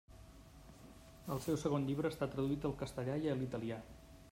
El seu segon llibre està traduït al castellà i a l'italià.